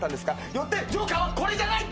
よってジョーカーはこれじゃない！